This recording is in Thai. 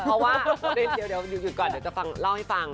เพราะว่าเดี๋ยวหยุดก่อนเดี๋ยวจะเล่าให้ฟัง